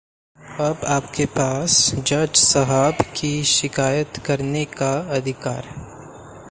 अब आपके पास जज साहब की शिकायत करने का अधिकार